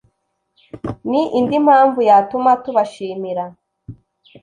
ni indi mpamvu yatuma tubashimira